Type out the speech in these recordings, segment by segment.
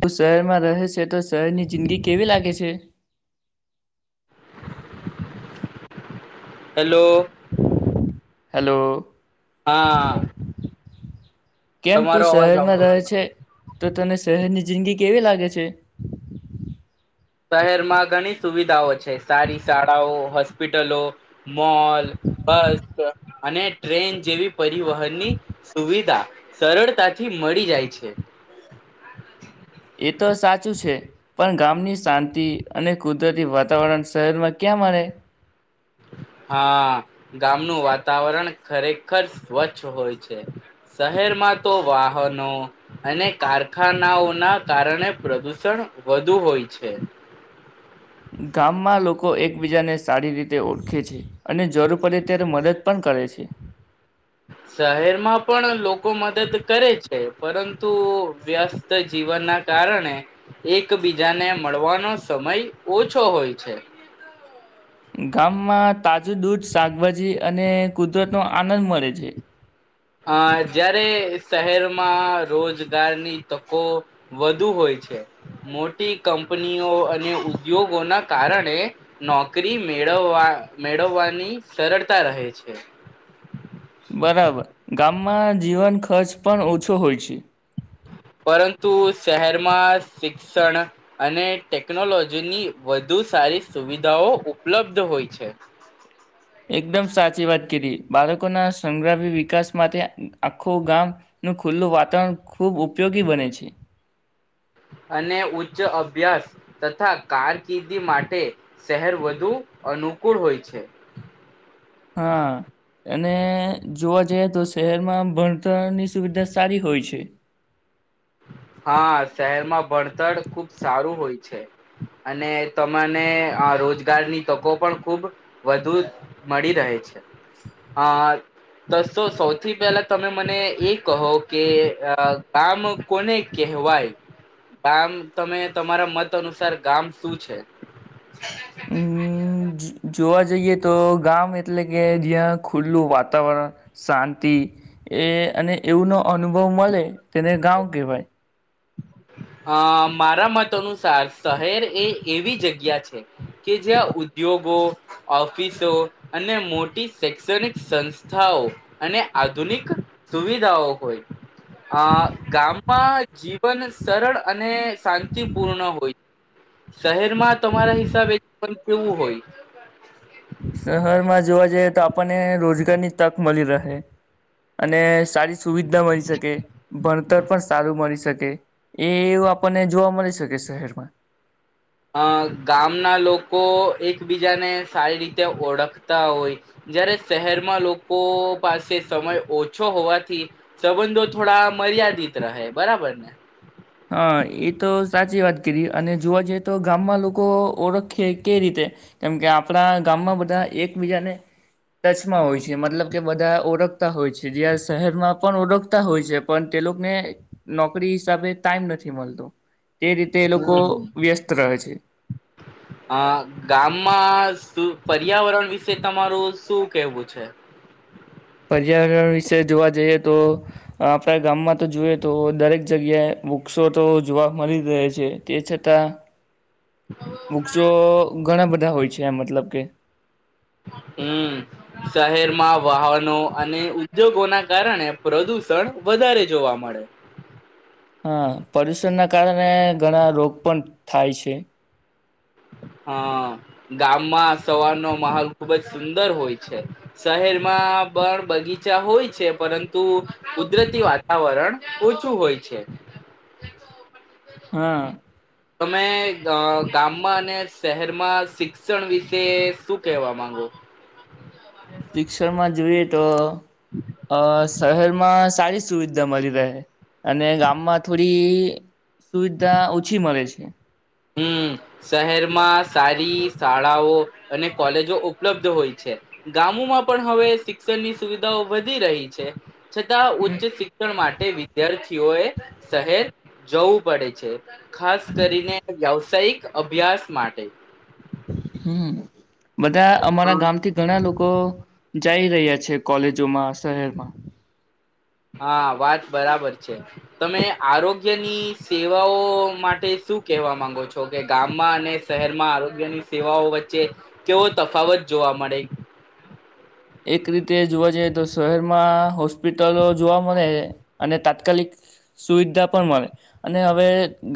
તું શહેરમાં રહે છે તો શહેરની જિંદગી કેવી લાગે છે. હેલો. હેલો. હા. કેમ, તું તમારો અવાજ આવતો શહેરમાં રહે છે? તો તને શહેરની જિંદગી કેવી લાગે છે? શહેરમાં ઘણી સુવિધાઓ છે સારી શાળાઓ, હોસ્પિટલો, મોલ, બસ અને ટ્રેન જેવી પરિવહનની સુવિધા સરળતાથી મળી જાય છે. એ તો સાચું છે. પણ ગામની શાંતિ અને કુદરતી વાતાવરણ શહેરમાં ક્યાં મળે! હા, ગામનું વાતાવરણ ખરેખર સ્વચ્છ હોય છે, શહેરમાં તો વાહનો અને કારખાનાઓના કારણે પ્રદુષણ વધુ હોય છે. ગામમાં લોકો એકબીજાને સારી રીતે ઓળખે છે અને જરૂર પડે ત્યારે મદદ પણ કરે છે. શહેરમાં પણ લોકો મદદ કરે છે પરંતુ વ્યસ્ત જીવનના કારણે એકબીજાને મળવાનો સમય ઓછો હોય છે. ગામમાં તાજું દૂધ, શાકભાજી અને કુદરતનો આનંદ મળે છે. અ જયારે શહેરમાં રોજગારની તકો વધુ હોય છે, મોટી કંપનીઓ અને ઉદ્યોગોના કારણે નોકરી મેળવવા મેળવવાની સરળતા રહે છે. બરાબર. ગામમાં જીવન ખર્ચ પણ ઓછો હોય છે. પરંતુ શહેરમાં શિક્ષણ અને ટેકનોલોજીની વધુ સારી સુવિધાઓ ઉપલબ્ધ હોય છે. ક્રી બાળકોના સંગ્રામી વિકાસ માટે આખું ગામનું ખુલ્લું વાતાવરણ ખૂબ ઉપયોગી બને છે. અને ઉચ્ચ અભ્યાસ તથા કારકિર્દી માટે શહેર વધુ અનુકૂળ હોય છે. હા અને જોવા જઈએ તો શહેરમાં ભણતરની સુવિધા સારી હોય છે. હા, શહેરમાં ભણતર ખુબ સારું હોય છે અને તમને અ રોજગારની તકો પણ ખૂબ વધુ મળી રહે છે અ તો સૌથી પહેલા તમે મને એ કહો કે અ ગામ કોને કહેવાય? ગામ તમે તમારા મત અનુસાર ગામ શું છે? અમ જોવા જઈએ તો ગામ એટલે કે જ્યાં ખુલ્લું વાતાવરણ, શાંતિ એ અને એવું નો અનુભવ મળે તેને ગામ કેહવાય. અ મારા મત અનુસાર શહેર એ એવી જગ્યા છે કે જ્યાં ઉદ્યોગો, ઓફિસો અને મોટી શૈક્ષણિક સંસ્થાઓ અને આધુનિક સુવિધાઓ હોય. અ ગામ પા જી પણ સરળ અને શાંતિપૂર્ણ હોય. શહેરમાં તમારા હિસાબે [unintelligible] કેવું હોય? શહેરમાં જોવા જઈએ તો આપણને રોજગારની તક મળી રહે અને સારી સુવિધા મળી શકે, ભણતર પણ સારું મળી શક શકે એ એવું આપણને જોવા મળી શકે શહેરમાં. અ ગામના લોકો એકબીજાને સારી રીતે ઓળખતા હોય જ્યારે શહેરમાં લોકો પાસે સમય ઓછો હોવાથી સંબંધો થોડા મર્યાદિત રહે બરાબર ને. હા, ઈ તો સાચી વાત કીધી અને જોવા જઈએ તો ગામમાં લોકો ઓળખે કેઈ રીતે કેમ કે આપણા ગામમાં બધા એકબીજાને ટચમાં હોય છે મતલબ કે બધા ઓળખતા હોય છે જ્યાં શહેરમાં પણ ઓળખતા હોય છે પણ તે લોકને નોકરી હિસાબે ટાઈમ નથી મલતો. હમ્મ છે અ ગામમાં તું પર્યાવરણ વિશે તમારું શું કહેવું છે? પર્યાવરણ વિશે જોવા જઈએ તો આપણા ગામમાં તો જોઈએ તો દરેક જગ્યાએ વૃક્ષો તો જોવા મળી જ રહે છે તે છતાં વૃક્ષો ઘણા બધા હોય છે મતલબ કે હમ્મ, શહેરમાં વાહનો અને ઉદ્યોગોના કારણે પ્રદુષણ વધારે જોવા મળે. હા, પ્રદુષણના કારણે ઘણા રોગ પણ થાય છે. હા, ગામમાં સવારનો માહોલ ખૂબ જ સુંદર હોય છે. શહેરમાં પણ બગીચા હોય છે પરંતુ કુદરતી વાતાવરણ ઓછું હોય છે. હા. તમે અ ગામ ગામમાં અને શહેરમાં શિક્ષણ વિશે શું કેવા માંગો. શિક્ષણમાં જોઈએ તો અ શહેરમાં. સારી સુવિધા મળી રહે અને ગામમાં થોડી સુવિધા ઓછી મળે છે. હમ્મ શહેરમાં સારી શાળાઓ અને કોલેજો ઉપલબ્ધ હોય છે ગામોમાં પણ હવે શિક્ષણની સુવિધાઓ વધી રહી છે. છતાં ઉચ્ચ શિક્ષણ માટે વિદ્યાર તેઓ શહેર જવું પડે છે. ખાસ કરીને વવસાયિક અભ્યાસ માટે. હમ્મ. બધા અમારા ગામથી ઘણા લોકો લોકો જઈ રહ્યા છે કોલેજોમાં શહેરમાં. હા વાત બરાબર છે. તમે આરોગ્યની સેવાઓ માટે શું કહેવા માંગો છો કે ગામમાં અને શહેરમાં આરોગ્યની સેવાઓ વચ્ચે કેવો તફાવત જોવા મળે. એક રીતે જોવા જઈએ તો શહેરમાં હોસ્પિટલો જોવા મળે અને તાત્કાલિક સુવિધા પણ મળે અને હવે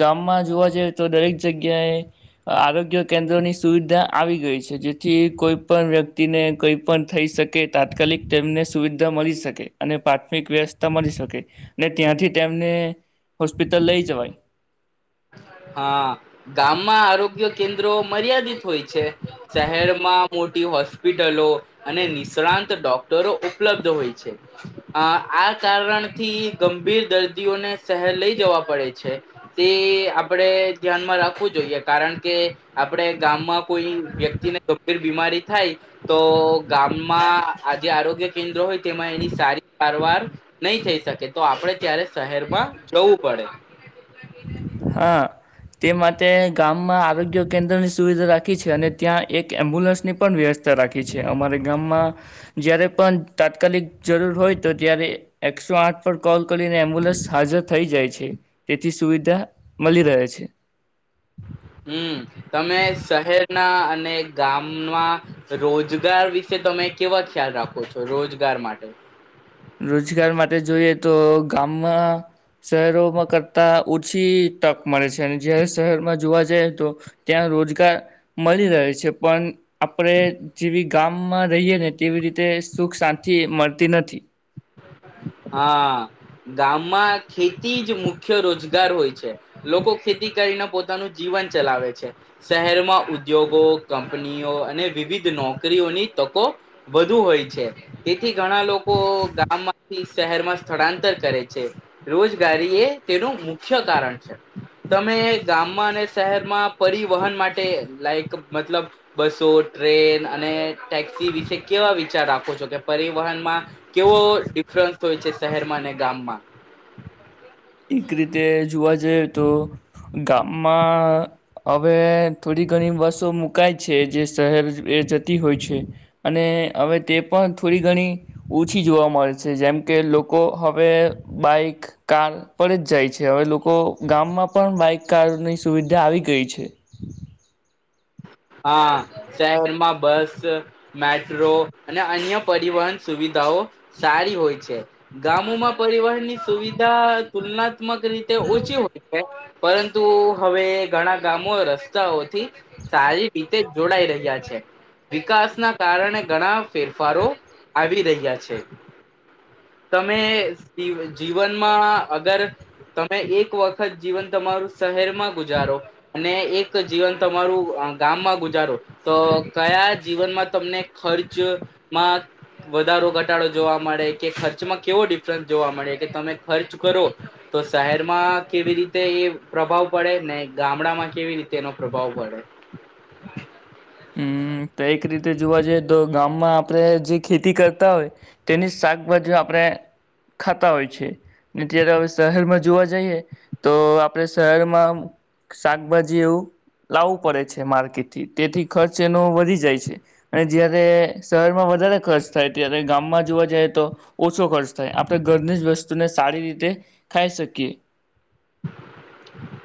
ગામમાં જોવા જઈએ તો દરેક જગ્યાએ આરોગ્ય કેન્દ્રોની સુવિધા આવી ગઈ છે જેથી કોઈ પણ વ્યક્તિને કોઈ પણ થઈ શકે તાત્કાલિક તેમને સુવિધા મળી શકે અને પ્રાથમિક વ્યવસ્થા મળી શકે ત્યાંથી તેમને હોસ્પિટલ લઈ જવાય. હા ગામમાં આરોગ્ય કેન્દ્રો મર્યાદિત હોય છે શહેરમાં મોટી હોસ્પિટલો અને નિષ્ણાંત ડોક ડરો ઉપલબ્ધ હોય છે આ કારણથી ગંભીર દર્દીઓને શહેર લઈ જવા પડે છે તે આપણે ધ્યાનમાં રાખવું જોઈએ કારણ કે આપણે ગામમાં કોઈ વ્યક્તિને ગંભીર બીમારી થાય તો ગામમાં આજે આરોગ્ય કેન્દ્ર હોય. તેમાં એની સારી સારવાર નહી થઈ શકે તો આપણે ત્યારે શહેરમાં જવું પડે. હા તે માટે ગામમાં આરોગ્ય કેન્દ્રની સુવિધા રાખી છે અને ત્યાં એક એમ્બ્યુલન્સની પણ વ્યવસ્થા રાખી છે અમારે ગામમાં જય્યારે પણ તાત્કાલિક જરૂર હોય તો ત્યારે એકસો આઠ પર કોલ કરીને એમ્બ્યુલન્સ હાજર થઈ જાય છે. થી સુવિધા મળી રહે છે. હમ. તમે શહેર ના અને ગામમાં રોજગાર વિશે તમે કેવા ખ્યાલ રાખો છો રોજગાર માટે રોજગાર માટે જોઈએ તો ગામમાં શહેરોમાં કરતા ઓછી તક મળે છે અને જ શહેરમાં જોવા જઈ તો ત્યાં રોજગાર મળી રહે છે પણ આપણે જેવી ગામમાં રહીએ ને તેવી રીતે સુખ શાંતિ મળતી નથી. હા ગામમાં ખેતી જ મુખ્ય રોજગાર હોય છે લોકો ખેતી કરીને પોતાનું જીવન ચલાવે છે શહેરમાં ઉદ્યોગો કંપનીઓ અને વિવિધ નોકરીઓની તકો વધુ હોય છે તેથી ઘણા લોકો શહેરમાં સ્થળાંતર કરે છે રોજગારી એ તેનું મુખ્ય કારણ છે તમે ગામમાં અને શહેરમાં પરિવહન માટે લાઈક મતલબ બસો ટ્રેન અને ટેક્સી વિશે કેવા વિચાર રાખો છો કે પરિવહનમાં કેવો ડિફરન્સ હોય છે શહેરમાં અને ગામમાં એક રીતે જોવા જઈ. તો ગામમાં હવે થોડી ઘણી બસો મુકાય છે જે શહેર એ જતી હોય છે અને હવે તે પણ થોડી ઘણી ઓછી જોવા મળે છે જેમ કે લોકો હવે બાઈક કાર. પરજ જાય છે હવે લોકો ગામમાં પણ બાઈક કારની સુવિધા આવી ગઈ છે. હા શહેરમાં બસ મેટ્રો અને અન્ય પરિવહન સુવિધાઓ સારી હોય છે ગામોમાં પરિવહનની સુવિધા તુલના રીતે ઓછી હોય છે. પરંતુ, હવે ઘણા ગામો રસ્તાઓથી સારી. રીતે જોડાઈ રહ્યા છે, વિકાસના કારણે ઘણા ફેરફારો આવી રહ્યા છે તમે જીવનમાં અગર તમે એક વખત જીવન તમારું શહેર માં ગુજારો. અને એક જીવન તમારું ગામમાં ગુજારો તો કયા જીવનમાં તમને ખર્ચમાં વધારો ઘટાડો જોવા મળે કે ખર્ચમાં કેવો ડિફરન્સ જોવા મળે કે તમે ખર્ચ કરો તો શહેરમાં કેવી રીતે એ પ્રભાવ પડે ને ગામડામાં કેવી રીતે એનો પ્રભાવ પડે. [inaudible] હમ્મ તો એક રીતે જોવા જઈએ તો ગામમાં આપણે જે ખેતી કરતા હોય તેની જ શાકભાજી આપણે ખાતા હોય છે ત્યારે હવે શહેરમાં જોવા જઈએ તો આપણે શહેરમાં શાકભાજી એવું લાવવું પડે છે. માર્કેટથી તેથી ખર્ચ એનો વધી જાય છે અને જયારે શહેરમાં વધારે ખર્ચ થાય, ત્યારે ગામમાં જોવા જઈ તો ઓછો ખર્ચ થાય આપણે ઘરની જ વસ્તુને સારી રીતે ખાઈ શકીએ.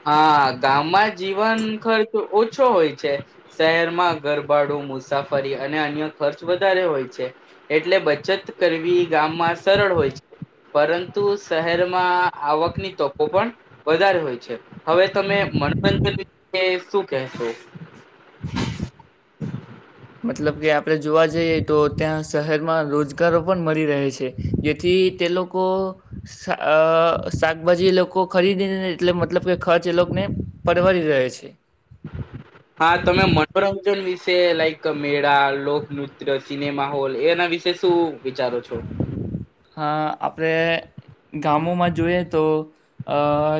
હા ગામમાં જીવન ખર્ચ ઓછો હોય છે શહેરમાં ગરભાડું મુસાફરી અને અન્ય ખર્ચ વધારે હોય છે એટલે બચત કરવી ગામમાં સરળ હોય છે, પરંતુ શહેરમાં આવકની તોકો પણ વધારે હોય છે. હવે તમે હમ્મ મનોરંજન વિશું. કેસો. મતલબ કે આપડે જોવા જઈએ તો ત્યાં શહેરમાં રોજગારો પણ મળી રહે છે, જેથી તે લોકો શાકભાજી એ લોકો ખરીદીને એટલે મતલબ કે ખર્ચ એ લોકોને પરવાડી રહે છે. હા તમે મનોરંજન વિશે લાઈક મેળા લોકનૃત્ય સિનેમા હોલ એના વિશે શું વિચારો છો? હા આપડે ગામોમાં જોઈએ. તો આ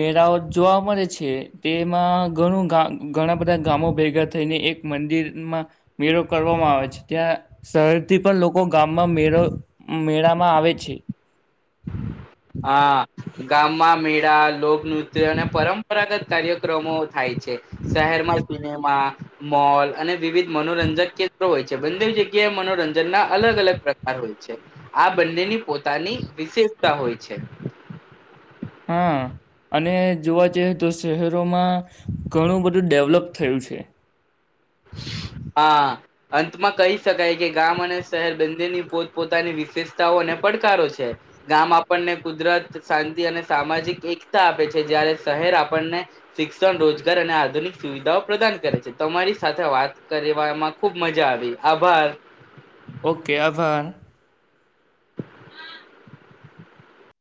મેળાઓ જોવા મળે છે તેમાં ઘણું ઘણા બધા ગામો ભેગા થઈને એક મંદિરમાં, મેળો કરવામાં આવે છે ત્યાં શહેરથી પણ લોકો ગામમાં મેળો મેળામાં આવે છે. હું. [inaudible] હા ગામમાં મેળા લોકનૃત્ય અને પરંપરાગત કાર્યક્રમો થાય છે, શહેરમાં સિનેમા. મોલ અને વિવિધ મનોરંજન કેન્દ્ર હોય. જગ્યાએ મનોરંજન ના અલગ- અલગ પ્રકાર હોય છે, આ બંનેની પોતે તાલિમ વિશેષ તા હોય. છે. હા, અને જોવા જઈએ તો શહેરોમાં, ઘણું બધું ડેવલપ થયું છે. હા અંતમાં કહી શકાય કે ગામ અને શહેર બંનેની પોતપોતાની વિશેષતાઓ અને પડકારો છે, ગામ આપણને કુદરત શાંતિ અને સામાજિક એકતા આપે છે જયારે શહેર આપણને શિક્ષણ રોજગાર અને આધુનિક સુવિધાઓ પ્રદાન કરે છે, તમારી સાથે વાત કરમાં ખુબ મજા આવી આભાર. ઓકે આભાર. [inaudible]